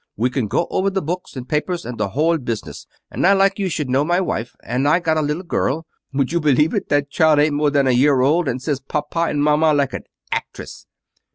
We can go over the books and papers and the whole business. And I like you should know my wife. And I got a little girl Would you believe it, that child ain't more as a year old, and says Papa and Mama like a actress!"